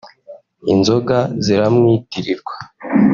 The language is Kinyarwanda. inzoga ziramwitirirwa